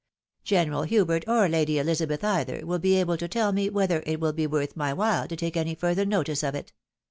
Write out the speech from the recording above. General Hubert, or Lady Elizabeth either, wiU be able to tell me whether it will be worth my while to take any further notice of it.